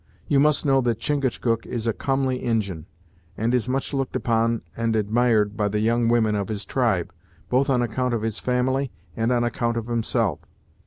You must know that Chingachgook is a comely Injin, and is much looked upon and admired by the young women of his tribe, both on account of his family, and on account of himself.